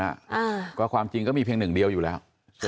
อ่าก็ความจริงก็มีเพียงหนึ่งเดียวอยู่แล้ว